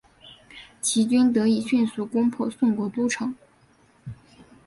齐军得以迅速攻破宋国都城。